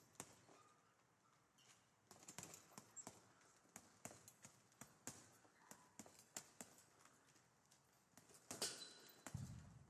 As the tendons cross the interphalangeal joints, they furnish them with dorsal ligaments.